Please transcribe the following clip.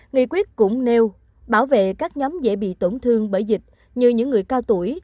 nghị quyết cũng nêu bảo vệ các nhóm dễ bị tổn thương bởi dịch như những người cao tuổi